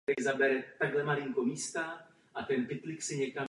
Komise byla tvořena předsedou a komisaři.